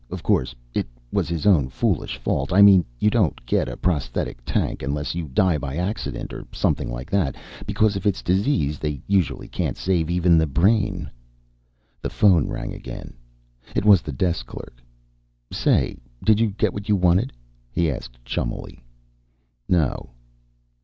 Of course, it was his own foolish fault I mean you don't get a prosthetic tank unless you die by accident, or something like that, because if it's disease they usually can't save even the brain. The phone rang again. It was the desk clerk. "Say, did you get what you wanted?" he asked chummily. "No."